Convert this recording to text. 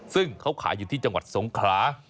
ซึ่งเขาขายอยู่ที่จังหวัดสงครา